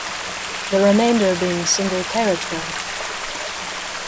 The remainder being single carriageway.